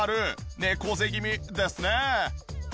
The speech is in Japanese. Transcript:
猫背気味ですね。